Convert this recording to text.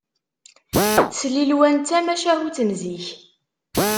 Slilwan d tamacahut n zik